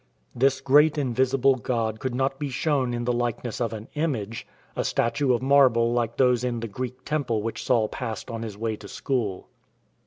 This great invisible God could not be shown in the likeness of an image — a statue of marble like those in the Greek temple which Saul passed on his way to school.